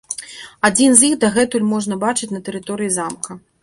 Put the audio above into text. Адзін з іх дагэтуль можна бачыць на тэрыторыі замка.